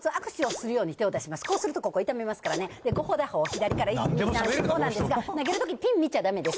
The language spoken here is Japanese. そうするとここ痛めますからね、ここで、左から１、２、３、４、５なんですが、投げるときピン見ちゃだめです。